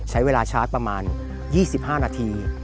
ใช้เวลาชาร์จประมาณ๒๕นาที